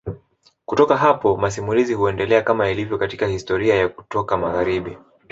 Kutoka hapo masimulizi huendelea kama ilivyo katika historia ya kutoka magharibi